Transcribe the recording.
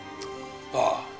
ああ。